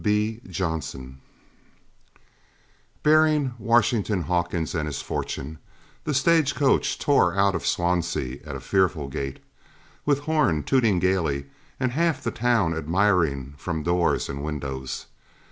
B. Jonson. Bearing Washington Hawkins and his fortunes, the stage coach tore out of Swansea at a fearful gait, with horn tooting gaily and half the town admiring from doors and windows.